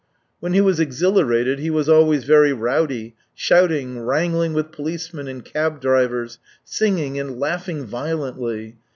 When he was exhilarated he was always very rowdy, shouting, wrangling with policemen and cab drivers, singing, and laughing violently.